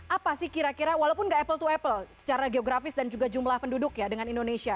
apa sih kira kira walaupun nggak apple to apple secara geografis dan juga jumlah penduduk ya dengan indonesia